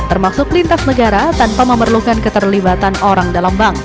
termasuk lintas negara tanpa memerlukan keterlibatan orang dalam bank